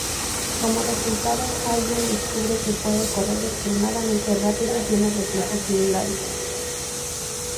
Como resultado, Allen descubre que puede correr extremadamente rápido y tiene reflejos similares.